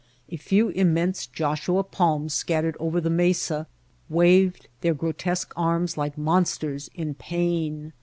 A few immense Joshua palms scattered over the mesa waved their grotesque arms like monsters in pain.